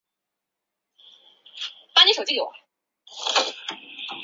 台北最高电影票房是在台湾台北市上映的电影票房等相关列表。